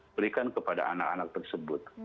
berikan kepada anak anak tersebut